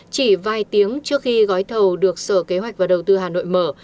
chỉ vài tiếng trước khi gói thầu được sở kế hoạch và đầu tư hà nội mở